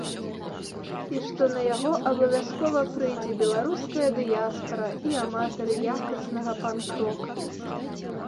І што на яго абавязкова прыйдзе беларуская дыяспара і аматары якаснага панк-рока.